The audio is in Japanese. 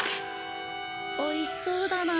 おいしそうだなあ。